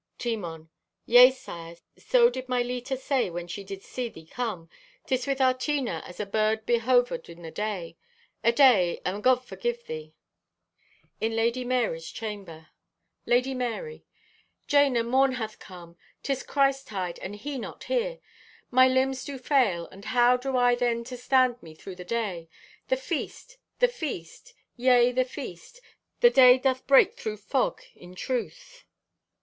(Timon) "Yea, sire, so did my Leta say when she did see thee come. 'Tis with our Tina as a bird behovered in the day. Aday, and God forgive thee." (In Lady Marye's Chamber.) (Lady Marye) "Jana, morn hath come. 'Tis Christ tide and He not here! My limbs do fail, and how do I then to stand me thro' the day? The feast, the feast, yea, the feast! The day doth break thro' fog in truth!